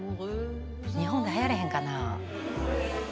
日本ではやれへんかな。